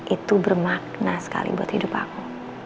itu bermakna sekali buat hidup aku